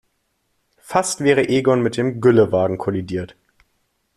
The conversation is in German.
Fast wäre Egon mit dem Güllewagen kollidiert.